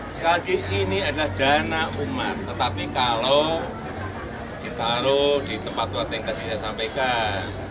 sekali lagi ini adalah dana umat tetapi kalau ditaruh di tempat tempat yang tadi saya sampaikan